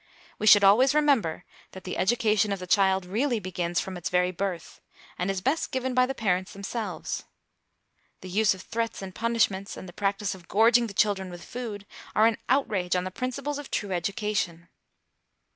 We should always remember that the education of the child really begins from its very birth, and is best given by the parents themselves. The use of threats and punishments, and the practice of gorging the children with food, are an outrage on the principles of true education.